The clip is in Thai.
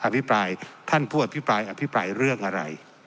อภิปรายท่านผู้อภิปรายอภิปรายเรื่องอะไร